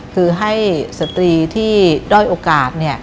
ที่ให้สตรีที่โดยโอกาส